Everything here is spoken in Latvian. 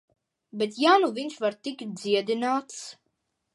Bet ja nu viņš var tikt dziedināts...